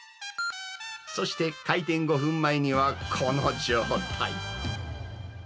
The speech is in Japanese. そして、開店５分前には、この状態。